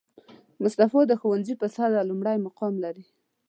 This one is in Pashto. مصطفی د ښوونځي په سطحه لومړی مقام لري